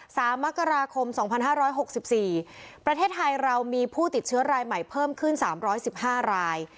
สามักราคม๒๕๖๔ประเทศไทยเรามีผู้ติดเชื้อรายใหม่เพิ่มขึ้น๓๑๕ราย